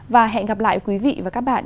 và hẹn gặp lại quý vị và các bạn